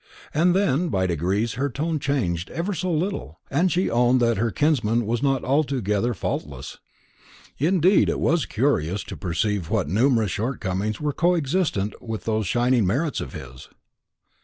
And then by degrees her tone changed ever so little, and she owned that her kinsman was not altogether faultless; indeed it was curious to perceive what numerous shortcomings were coexistent with those shining merits of his.